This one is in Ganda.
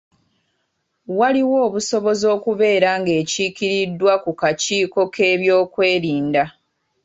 Waliwo obusobozi okubeera ng’ekiikiriddwa ku kakiiko k’ebyokwerinda.